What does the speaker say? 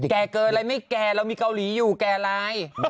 แก่เกินอะไรไม่แก่เรามีเกาหลีอยู่แก่อะไร